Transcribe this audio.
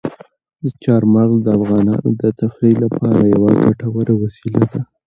چار مغز د افغانانو د تفریح لپاره یوه ګټوره وسیله ده.